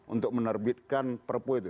untuk menerbitkan perpu itu